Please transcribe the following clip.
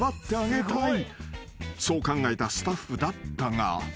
［そう考えたスタッフだったが］